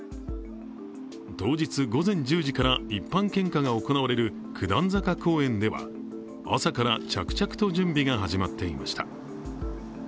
当日午前１０時から一般献花が行われる九段坂公園では朝から着々と準備が始まっていました。